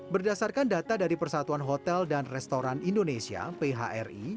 berdasarkan data dari persatuan hotel dan restoran indonesia phri